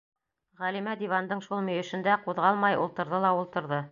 Ғәлимә дивандың шул мөйөшөндә ҡуҙғалмай ултырҙы ла ултырҙы.